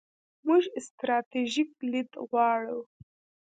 موږ ستراتیژیک لید غواړو.